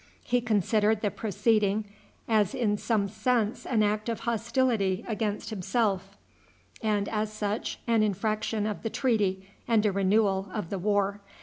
He considered the proceeding as in some sense an act of hostility against himself, and, as such, an infraction of the treaty and a renewal of the war.